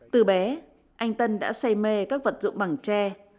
từ bé anh tân đã say mê các vật dụng bằng tre